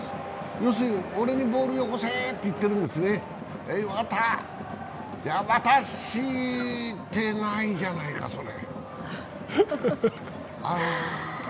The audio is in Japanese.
要するに、俺にボールよこせって言ってるんですね、分かった、渡してないじゃないか、それ。